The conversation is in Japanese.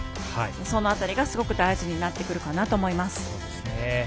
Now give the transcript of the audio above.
その辺りが非常に大事になってくるかなと思います。